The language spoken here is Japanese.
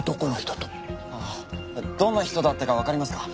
ああどんな人だったかわかりますか？